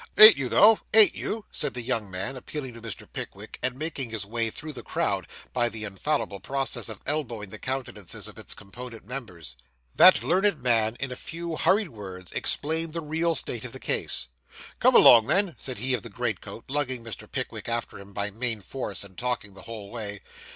'Ain't you, though ain't you?' said the young man, appealing to Mr. Pickwick, and making his way through the crowd by the infallible process of elbowing the countenances of its component members. That learned man in a few hurried words explained the real state of the case. 'Come along, then,' said he of the green coat, lugging Mr. Pickwick after him by main force, and talking the whole way.